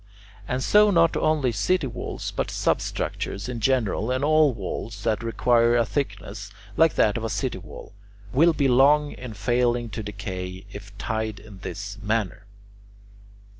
And so not only city walls but substructures in general and all walls that require a thickness like that of a city wall, will be long in falling to decay if tied in this manner.